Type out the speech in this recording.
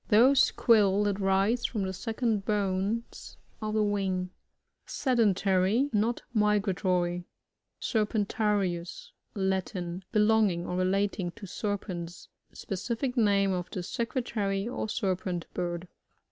— Those quills that rise from the second bones of the wing. Sedbntart. — ^Not migratory. SBRPEifTARius.^Latin. Belonging or relating to serpents. Specific name of the Secretary or Serpent bird.